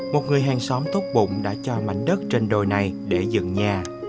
một người hàng xóm tốt bụng đã cho mảnh đất trên đồi này để dựng nhà